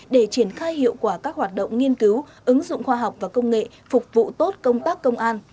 để triển khai hiệu quả các hoạt động nghiên cứu ứng dụng khoa học và công nghệ phục vụ tốt công tác công an